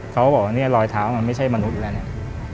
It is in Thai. เขาบอกว่าเนี่ยรอยเท้ามันไม่ใช่มนุษย์แล้วเนี่ย